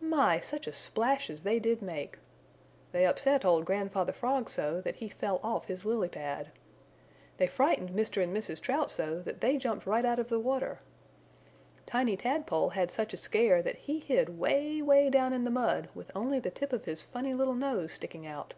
My such a splash as they did make! They upset old Grandfather Frog so that he fell off his lily pad. They frightened Mr. and Mrs. Trout so that they jumped right out of the water. Tiny Tadpole had such a scare that he hid way, way down in the mud with only the tip of his funny little nose sticking out.